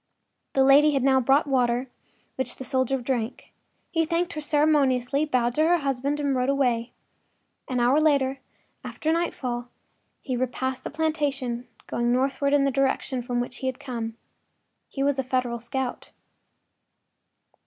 ” The lady had now brought the water, which the soldier drank. He thanked her ceremoniously, bowed to her husband and rode away. An hour later, after nightfall, he repassed the plantation, going northward in the direction from which he had come. He was a Federal scout.